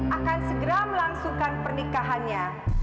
akan segera melangsungkan pernikahannya